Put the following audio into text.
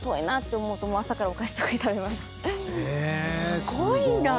すごいな。